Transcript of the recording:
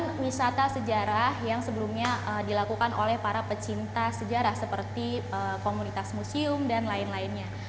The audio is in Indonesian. ada juga yang dianggap sebagai tembok wisata sejarah yang sebelumnya dilakukan oleh para pecinta sejarah seperti komunitas museum dan lain lainnya